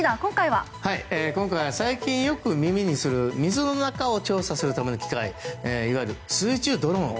最近、よく耳にする水の中を調査するための機械いわゆる水中ドローン。